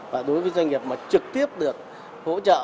và đối với doanh nghiệp mà trực tiếp được hỗ trợ